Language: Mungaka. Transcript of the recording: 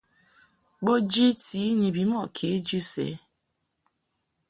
Bo jiti i ni bimɔʼ kejɨ sɛ.